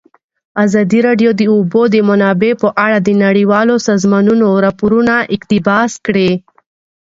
ازادي راډیو د د اوبو منابع په اړه د نړیوالو سازمانونو راپورونه اقتباس کړي.